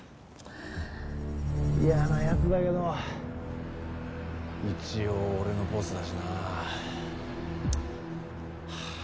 嫌な奴だけど一応俺のボスだしなあ。